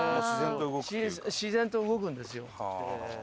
自然と動くんですよ。